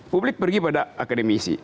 publik pergi pada akademisi